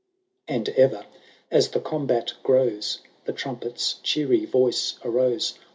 51 And ever, as the combat grows. The trumpet's cheery voice arose.